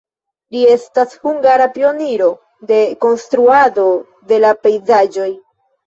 Li estas hungara pioniro de konstruado de la pejzaĝoj.